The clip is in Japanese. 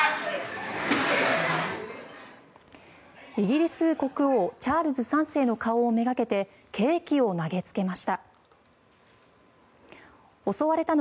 イギリス国王チャールズ３世の顔をめがけてケーキを投げつけました。